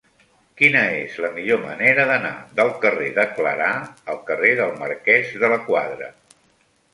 Quina és la millor manera d'anar del carrer de Clarà al carrer del Marquès de la Quadra?